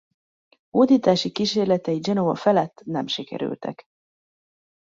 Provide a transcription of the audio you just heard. Hódítási kísérletei Genova felett nem sikerültek.